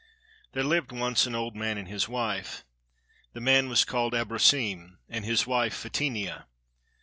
THERE lived once an old man and his wife. The man was called Abrosim, and his wife Fetinia.